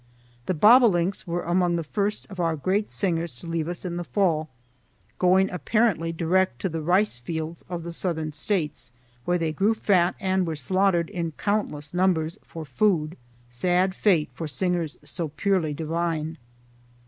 The bobolinks were among the first of our great singers to leave us in the fall, going apparently direct to the rice fields of the Southern States, where they grew fat and were slaughtered in countless numbers for food. Sad fate for singers so purely divine.